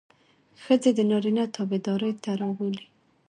ښځې د نارينه تابعدارۍ ته رابولي.